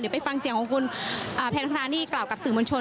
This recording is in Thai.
เดี๋ยวไปฟังเสียงของคุณแพนธนานี่กล่าวกับสื่อมวลชน